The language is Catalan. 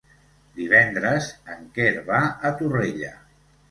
Divendres en Quer va a Torrella.